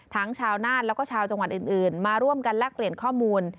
ชาวนานแล้วก็ชาวจังหวัดอื่นมาร่วมกันแลกเปลี่ยนข้อมูล